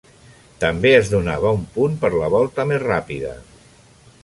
També es donava un punt per la volta més ràpida.